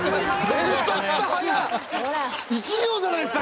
１秒じゃないっすか？